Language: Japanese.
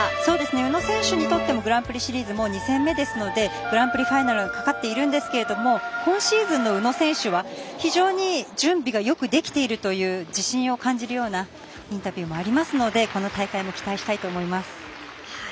宇野選手にとってもグランプリシリーズ２戦目ですのでグランプリファイナルがかかっているんですけれども今シーズンの宇野選手は非常に準備がよくできているという自信を感じるようなインタビューもありますのでこの大会も期待したいと思います。